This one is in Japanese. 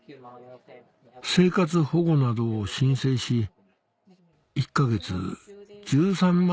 生活保護などを申請し１か月１３万